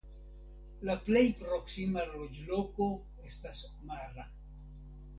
La plej proksima loĝloko estas Mara.